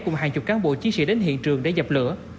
cùng hàng chục cán bộ chiến sĩ đến hiện trường để dập lửa